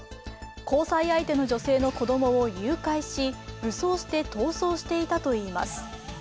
交際相手の女性の子供を誘拐し武装して逃走していたといいます。